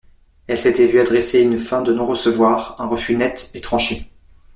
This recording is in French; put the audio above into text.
Elle s’était vue adresser une fin de non-recevoir, un refus net et tranché.